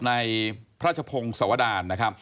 ในพระจพงศ์สวดาล